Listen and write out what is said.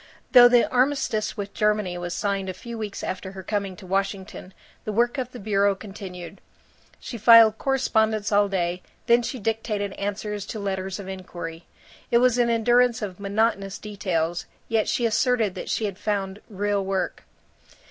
Though the armistice with Germany was signed a few weeks after her coming to Washington, the work of the bureau continued. She filed correspondence all day; then she dictated answers to letters of inquiry. It was an endurance of monotonous details, yet she asserted that she had found "real work."